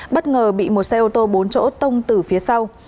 bất ngờ bị một xe ô tô bốn chỗ tông từ phía sau